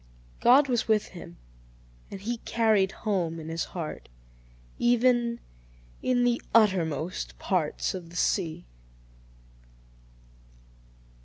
God was with him, and he carried home in his heart, even "in the uttermost parts of the sea."